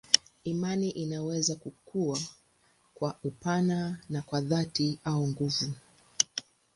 Imani inaweza kukua kwa upana na kwa dhati au nguvu.